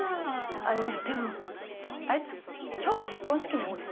いやでもあいつ今日結婚式なんで。